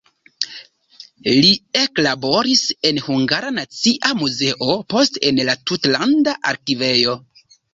Li eklaboris en Hungara Nacia Muzeo, poste en la tutlanda arkivejo.